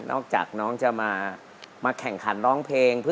จากน้องจะมาแข่งขันร้องเพลง